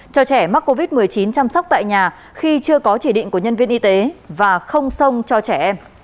cho trẻ mắc covid một mươi chín chăm sóc tại nhà khi chưa có chỉ định của nhân viên y tế và không sông cho trẻ em